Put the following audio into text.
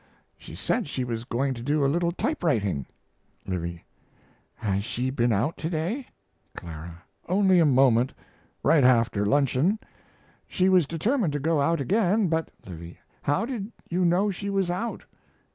She said she was going to do a little typewriting. L. Has she been out to day? CL. Only a moment, right after luncheon. She was determined to go out again, but L. How did you know she was out?